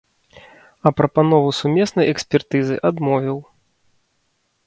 А прапанову сумеснай экспертызы адмовіў.